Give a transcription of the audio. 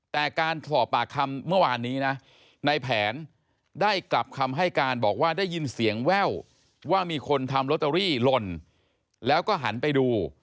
แต่การสอบปากคำเมื่อวานนี้นะในแผนได้กลับคำให้การบอกว่าได้ยินเสียงแว่วว่ามีคนทำลอตเตอรี่หล่นแล้วก็หันไปดู